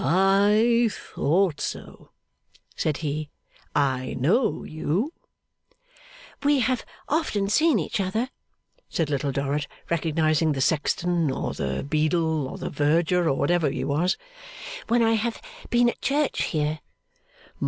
'I thought so!' said he. 'I know you.' 'We have often seen each other,' said Little Dorrit, recognising the sexton, or the beadle, or the verger, or whatever he was, 'when I have been at church here.